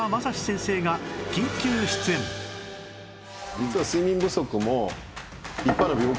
実は。